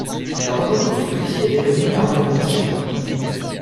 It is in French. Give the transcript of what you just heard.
La renommée de celui-ci était devenue internationale.